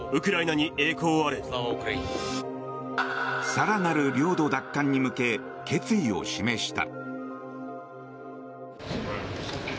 更なる領土奪還に向け決意を示した。